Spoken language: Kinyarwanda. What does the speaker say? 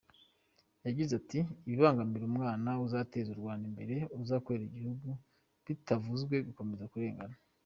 Yagize ati “Ibibangamira umwana uzateza u Rwanda imbere, uzakorera igihugu bitavuzwe yakomeza kurengana.